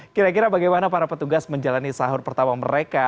kira kira bagaimana para petugas menjalani sahur pertama mereka